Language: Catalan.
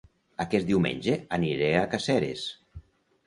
Aquest diumenge aniré a Caseres